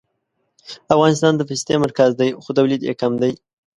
افغانستان د پستې مرکز دی خو تولید یې کم دی